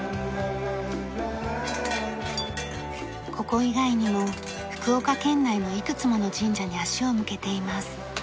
ここ以外にも福岡県内のいくつもの神社に足を向けています。